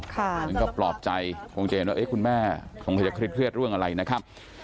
มันก็ปลอบใจคงจะเห็นว่าคุณแม่คงจะเครียดเรื่องอะไรนะครับ